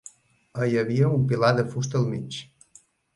Hi havia un pilar de fusta al mig.